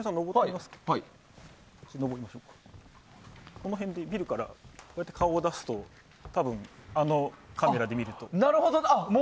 この辺で、ビルから顔を出すとあのカメラで見ると。